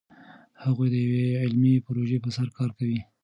هغوی د یوې علمي پروژې په سر کار کوي.